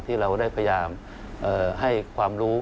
ที่เราได้พยายามให้ความรู้